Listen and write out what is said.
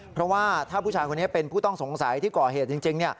เพราะว่าถ้าผู้ชายคนนี้เป็นผู้ต้องสงสัยที่ก่อเหตุจริง